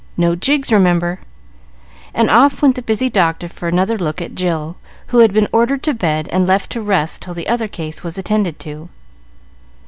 No jigs, remember;" and off went the busy doctor for another look at Jill, who had been ordered to bed and left to rest till the other case was attended to.